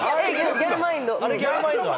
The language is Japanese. ギャルマインド。